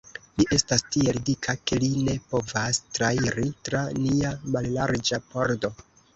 Li estas tiel dika, ke li ne povas trairi tra nia mallarĝa pordo.